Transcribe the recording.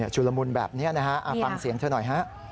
ชุลมุนแบบนี้นะฮะฟังเสียงเธอหน่อยฮะ